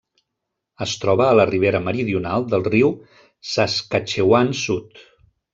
Es troba a la ribera meridional del riu Saskatchewan Sud.